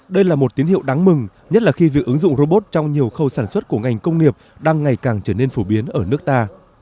đây là một tín hiệu đáng mừng nhất là khi việc ứng dụng robot trong nhiều khâu sản xuất của ngành công nghiệp đang ngày càng trở nên phổ biến ở nước ta